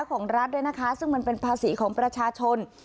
ของรัฐด้วยนะคะซึ่งมันเป็นภาษีของประชาชน